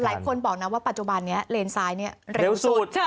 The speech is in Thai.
หลายคนบอกนะว่าปัจจุบันนี้เลนซ้ายเนี่ยเร็วสุด